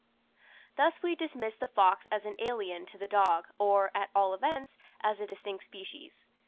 Thus we dismiss the fox as an alien to the dog, or, at all events, as a distinct species.